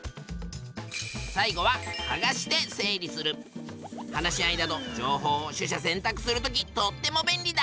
最後は話し合いなど情報を取捨選択するときとっても便利だ！